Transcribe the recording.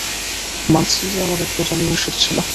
মানছি যে আমাদের খোঁজ অমিমাংসিত ছিল।